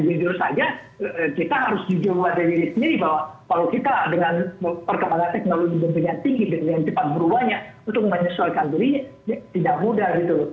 jujur saja kita harus jujur pada diri sendiri bahwa kalau kita dengan perkembangan teknologi tentunya tinggi dengan cepat berubahnya untuk menyesuaikan diri tidak mudah gitu loh